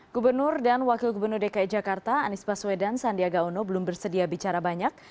gubernur dan wakil gubernur dki jakarta anies baswedan sandiaga uno belum bersedia bicara banyak